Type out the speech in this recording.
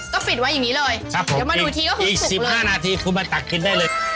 ก็ปิดไว้อย่างงี้เลยครับผมกินเดี๋ยวมาดูทีก็หุบเลยอีกสิบห้านาทีคุณมาตักกินได้เลย